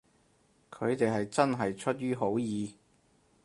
佢哋係真係出於好意